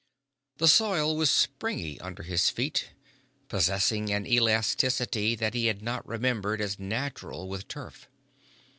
The soil was springy under his feet, possessing an elasticity that he had not remembered as natural with turf.